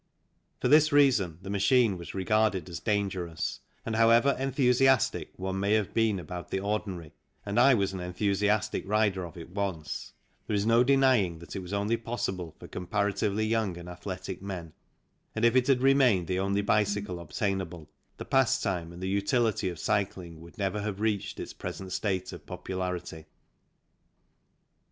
For this reason the machine was regarded as dangerous, and however enthusiastic one may have been about the ordinary and I was an enthusiastic rider of it once there is no denying that it was only possible for comparatively young and athletic men, and if it had remained the only bicycle obtainable, the pastime and the utility of cycling would never have reached its present state of popularity.